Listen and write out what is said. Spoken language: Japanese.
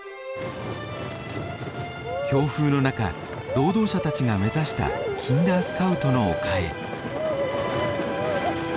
強風の中労働者たちが目指したキンダースカウトの丘へ。